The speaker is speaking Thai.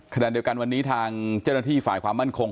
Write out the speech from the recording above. ขณะเดียวกันวันนี้ทางเจ้าหน้าที่ฝ่ายความมั่นคง